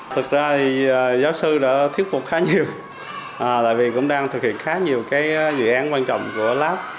thực ra thì giáo sư đã thuyết phục khá nhiều tại vì cũng đang thực hiện khá nhiều cái dự án quan trọng của lob